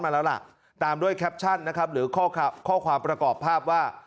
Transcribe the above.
มาแล้วล่ะตามด้วยแคปชั่นนะครับหรือข้อความประกอบภาพว่า